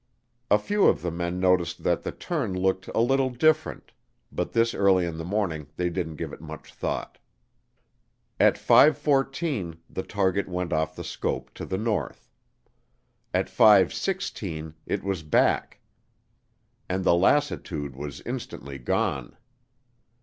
A few of the men noticed that the turn looked "a little different," but this early in the morning they didn't give it much thought. At 5:14 the target went off the scope to the north. At 5:16 it was back and the lassitude was instantly gone.